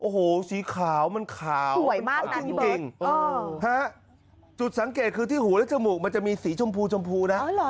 โอ้โหสีขาวมันขาวสวยมากเอาจริงจุดสังเกตคือที่หูและจมูกมันจะมีสีชมพูชมพูนะ